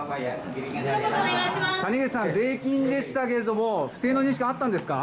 谷口さん税金でしたけれども不正の認識はあったんですか。